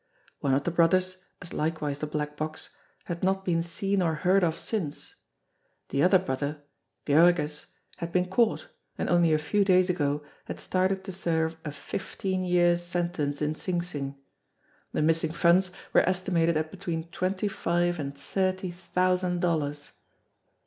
One of the brothers, as likewise the black box, had not been seen or heard of since. The other brother, Georges, had been caught, and only a few days ago had started to serve a fifteen years' sentence in Sing Sing. The missing funds were estimated at between twenty five and thirty thousand dollars.